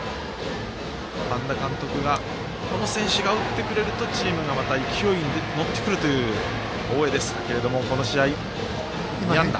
半田監督が、この選手が打ってくれるとチームが勢いが乗ってくるという大江でしたがこの試合、２安打。